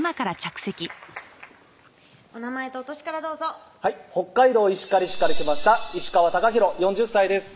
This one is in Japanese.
お名前とお歳からどうぞはい北海道石狩市から来ました石川貴博４０歳です